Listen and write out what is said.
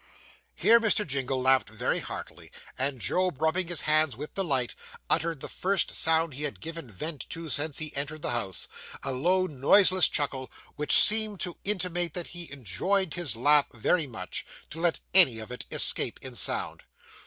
Here Mr. Jingle laughed very heartily; and Job, rubbing his hands with delight, uttered the first sound he had given vent to since he entered the house a low, noiseless chuckle, which seemed to intimate that he enjoyed his laugh too much, to let any of it escape in sound.